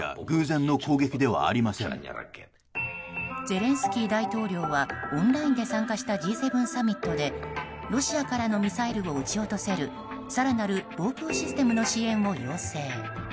ゼレンスキー大統領はオンラインで参加したＧ７サミットでロシアからのミサイルを撃ち落とせる更なる防空システムの支援を要請。